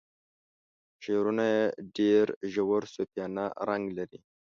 شعرونه یې ډیر ژور صوفیانه رنګ لري.